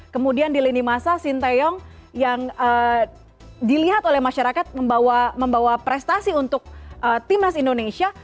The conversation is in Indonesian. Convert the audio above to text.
kemudian di lini masa sinteyong yang dilihat oleh masyarakat membawa prestasi untuk timnas indonesia